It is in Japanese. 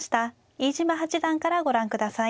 飯島八段からご覧下さい。